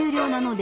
で